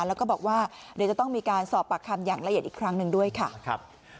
แล้วก็บอกว่าเดี๋ยวจะต้องมีการสอบปากคำอย่างละเอียดอีกครั้งหนึ่งด้วยค่ะ